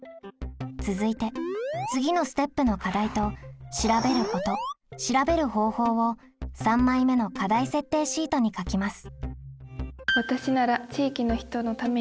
続いて次のステップの課題と「調べること」「調べる方法」を３枚目の課題設定シートに書きます。